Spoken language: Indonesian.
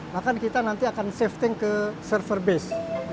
bahkan kita nanti akan safe take ke server base